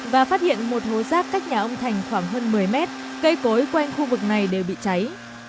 và phát hiện một hố rác cách nhà ông thành khoảng hơn một mươi mét cây cối quanh khu vực này đều bị cháy